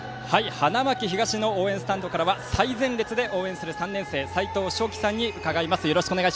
花巻東の応援スタンドからは最前線から応援する３年生、さいとうしょうきさんに伺います。